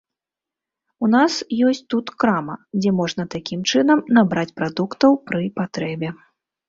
У нас ёсць тут крама, дзе можна такім чынам набраць прадуктаў пры патрэбе.